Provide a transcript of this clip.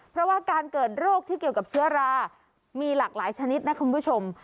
เพราะว่าการเกิดโรคที่เกี่ยวกับเชื้อรามีหลากหลายชนิดนะคุณผู้ชม